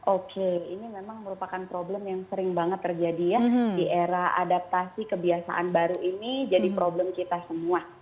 oke ini memang merupakan problem yang sering banget terjadi ya di era adaptasi kebiasaan baru ini jadi problem kita semua